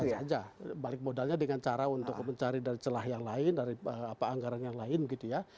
bisa saja balik modalnya dengan cara untuk mencari dari celah yang lain dari anggaran yang lain gitu ya